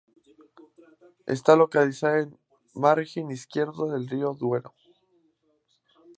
Está localizada en el margen izquierdo del río Duero.